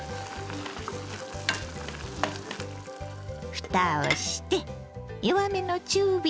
ふたをして弱めの中火。